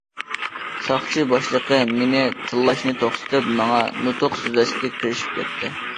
ساقچى باشلىقى مېنى تىللاشنى توختىتىپ ماڭا نۇتۇق سۆزلەشكە كىرىشىپ كەتتى.